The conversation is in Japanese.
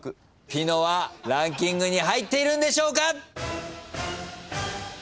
ピノはランキングに入っているんでしょうか？